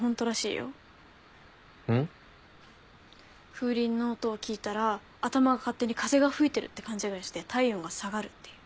風鈴の音を聞いたら頭が勝手に風が吹いてるって勘違いして体温が下がるっていう。